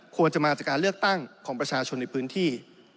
ควรจะมาจากการเลือกตั้งของประชาชนในพื้นที่